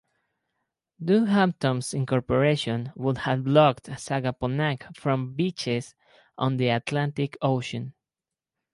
Dunehampton's incorporation would have blocked Sagaponack from beaches on the Atlantic Ocean.